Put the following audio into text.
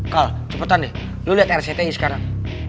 kal cepetan deh lo liat rcti sekarang